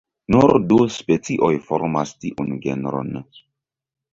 Nur du specioj formas tiun genron.